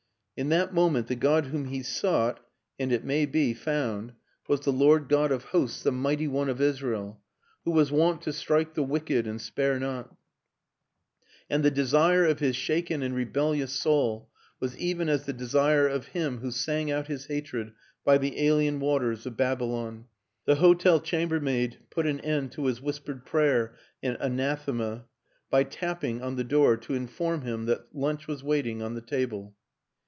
In that moment the God whom he sought and it may be found 194 WILLIAM AN ENGLISHMAN was the Lord God of Hosts, the Mighty One of Israel, Who was wont to strike the wicked and spare not; and the desire of his shaken and re bellious soul was even as the desire of him who sang out his hatred by the alien waters of Babylon. The hotel chambermaid put an end to his whis pered prayer and anathema by tapping on the door to inform him that lunch was waiting on the table.